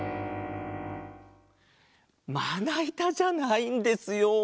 まないたじゃないんですよ。